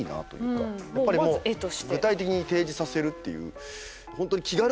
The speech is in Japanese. やっぱり具体的に提示させるっていう。